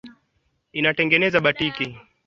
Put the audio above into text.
benerd kushina ni waziri wa mambo ya nje wa ufaransa